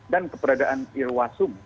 dan keberadaan irwasum